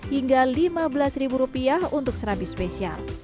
hingga lima belas rupiah untuk serabi spesial